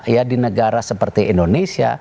ya di negara seperti indonesia